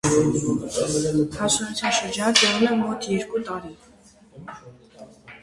Հասունության շրջանը տևում է մոտ երկու տարի։